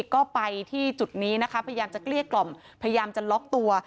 ก็ไปที่จุดนี้นะคะพยายามจะเกลี้ยกล่อมพยายามจะล็อกตัว